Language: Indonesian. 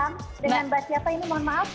dengan mbak tia apa ini mohon maaf